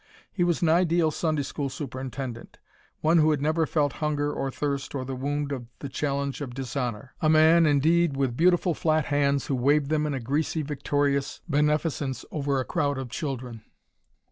He was an ideal Sunday school superintendent one who had never felt hunger or thirst or the wound of the challenge of dishonor; a man, indeed, with beautiful flat hands who waved them in greasy victorious beneficence over a crowd of children.